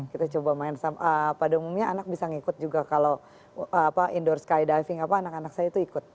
kita coba main pada umumnya anak bisa ngikut juga kalau indoor skydiving apa anak anak saya itu ikut